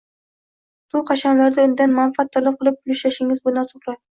To‘y-hashamlarda undan manfaat talab qilib pul ishlasangiz, bu noto‘g‘ri.